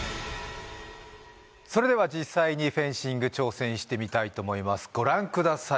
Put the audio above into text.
それでは実際にフェンシング挑戦してみたいと思いますご覧ください